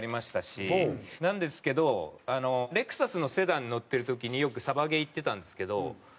なんですけどレクサスのセダン乗ってる時によくサバゲー行ってたんですけど結局ライフルが横に入らないし。